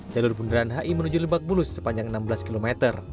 jalur bundaran hi menuju lebak bulus sepanjang enam belas km